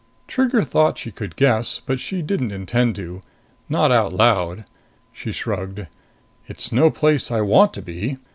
Trigger thought she could guess. But she didn't intend to. Not out loud. She shrugged. "It's no place I want to be."